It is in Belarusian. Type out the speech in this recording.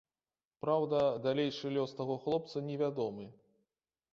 Праўда, далейшы лёс таго хлопца невядомы.